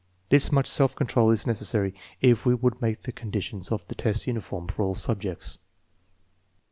This much self control is necessary if we would make the conditions of the test uniform for all subjects.